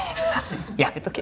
やめとけ。